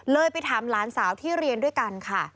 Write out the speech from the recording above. ไปถามหลานสาวที่เรียนด้วยกันค่ะ